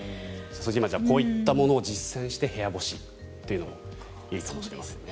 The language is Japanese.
こういうものを実践して部屋干しというのがいいかもしれませんね。